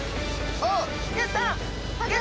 おっ。